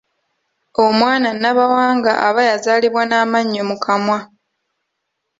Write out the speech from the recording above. Omwana Nabawanga aba yazaalibwa n'amannyo mu kamwa.